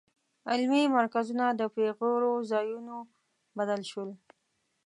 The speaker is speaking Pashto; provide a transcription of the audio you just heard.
علمي مرکزونه د بېغوریو ځایونو بدل شول.